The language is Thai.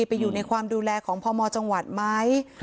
ไปอยู่ในความดูแลของพมจังหวัดไหม